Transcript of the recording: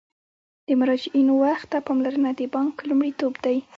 د مراجعینو وخت ته پاملرنه د بانک لومړیتوب دی.